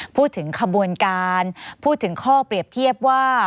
พูดถึงขบวนการพูดถึงข้อเปรียบเทียบว่า